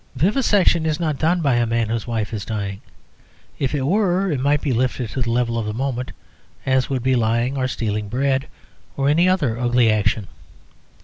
Vivisection is not done by a man whose wife is dying. If it were it might be lifted to the level of the moment, as would be lying or stealing bread, or any other ugly action.